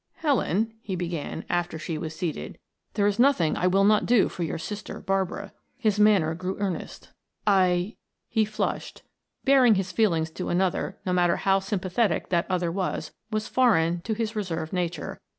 "Helen," he began, after she was seated. "There is nothing I will not do for your sister Barbara," his manner grew earnest. "I " he flushed; baring his feelings to another, no matter how sympathetic that other was, was foreign to his reserved nature.